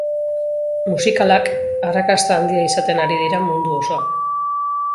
Musikalak arrakasta handia izaten ari dira mundu osoan.